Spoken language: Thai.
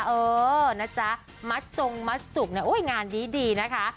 เออนะจ๊ะมัดจงมัดจุกเนี่ยโอ้ยงานดีนะคะ